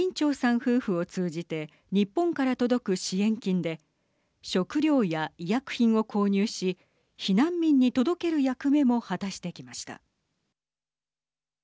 夫婦を通じて日本から届く支援金で食糧や医薬品を購入し避難民に届ける役目も果たしてきました。